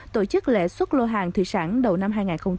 tổ chức lễ xuất lô hàng thủy sản đầu năm hai nghìn một mươi tám